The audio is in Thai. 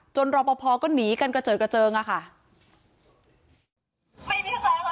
จนรอปภก็หนีกันเกาะเจิงเกาะเจิงค่ะ